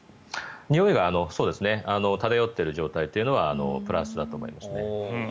においが漂っている状態というのはプラスだと思います。